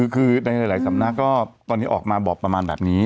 คือในหลายสำนักก็ตอนนี้ออกมาบอกประมาณแบบนี้